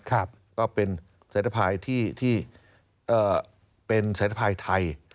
ก็เป็นสายตภายที่เป็นสายทภายไทย